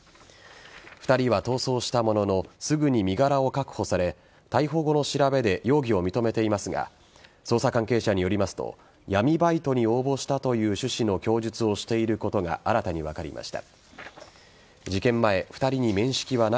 ２人は逃走したもののすぐに身柄を確保され逮捕後の調べで容疑を認めていますが捜査関係者によりますと闇バイトに応募したという趣旨の供述をしていることが新たに分かりました。